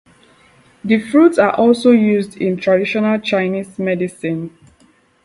The fruits are also used in Traditional Chinese medicine.